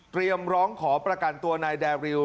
ร้องขอประกันตัวนายแดริว